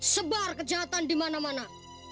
sebar kejahatan di mana mana